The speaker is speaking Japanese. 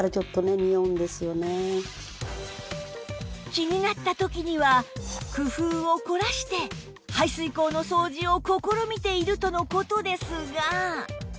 気になった時には工夫を凝らして排水口の掃除を試みているとの事ですが